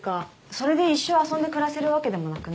それで一生遊んで暮らせるわけでもなくない？